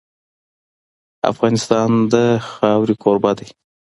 افغانستان د خاوره کوربه دی.